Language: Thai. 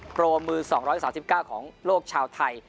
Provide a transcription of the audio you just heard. โปรมือ๒๓๙ของโลกชาวไทย